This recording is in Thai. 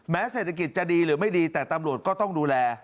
เศรษฐกิจจะดีหรือไม่ดีแต่ตำรวจก็ต้องดูแล